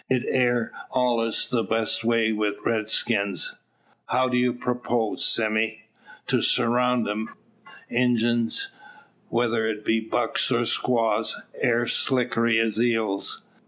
It air allers the best way wi redskins." "How do you propose, Sime?" "To surround 'em. Injuns, whether it be bucks or squaws, air slickery as eels.